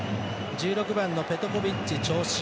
１６番のペトコビッチ、長身。